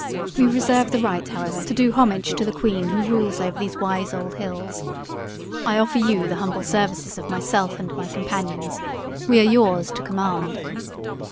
We reserve the right, however, to do homage to the queen who rules over these wise old hills. I offer you the humble services of myself and my companions. We are yours to command."